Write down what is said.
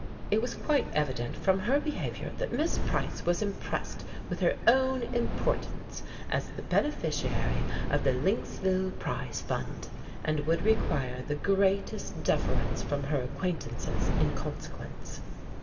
It was quite evident from her behavior that Miss Price was impressed with her own importance as the beneficiary of the Lynxville Prize Fund, and would require the greatest deference from her acquaintances in consequence.